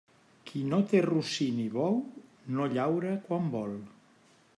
Qui no té rossí ni bou, no llaura quan vol.